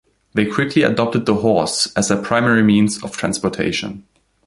They quickly adopted the horse as a primary means of transportation.